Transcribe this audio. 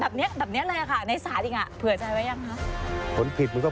ดับเนี้ยภือใจไว้ยังครับ